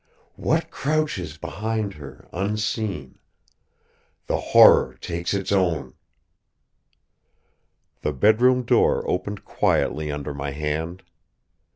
"What crouches behind her, unseen? The Horror takes Its own " The bedroom door opened quietly under my hand.